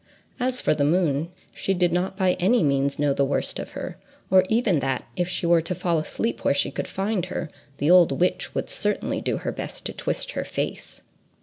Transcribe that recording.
As for the moon, she did not by any means know the worst of her, or even, that, if she were to fall asleep where she could find her, the old witch would certainly do her best to twist her face.